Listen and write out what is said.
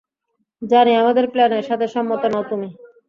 জানি আমাদের প্ল্যানের সাথে সম্মত নও তুমি।